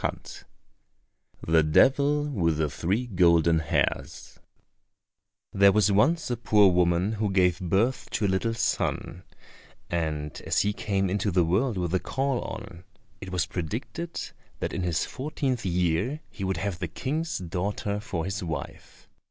29 The Devil With the Three Golden Hairs There was once a poor woman who gave birth to a little son; and as he came into the world with a caul on, it was predicted that in his fourteenth year he would have the King's daughter for his wife.